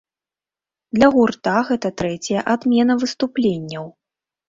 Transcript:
Для гурта гэта трэцяя адмена выступленняў.